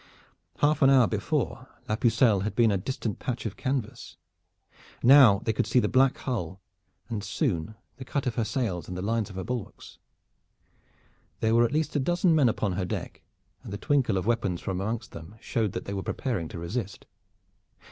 Half an hour before La Pucelle had been a distant patch of canvas. Now they could see the black hull, and soon the cut of her sails and the lines of her bulwarks. There were at least a dozen men upon her deck, and the twinkle of weapons from amongst them showed that they were preparing to resist.